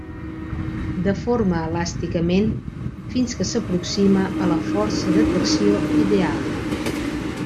Deforma elàsticament fins que s'aproxima a la força de tracció ideal.